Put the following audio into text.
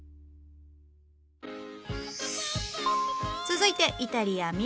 続いてイタリアミラノ。